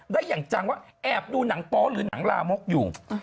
ได้อย่างจังว่าแอบดูหนังโป๊หรือหนังลามกอยู่